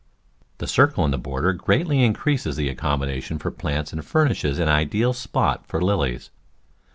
The circle in the border greatly increases the accom modation for plants and furnishes an ideal spot for lilies.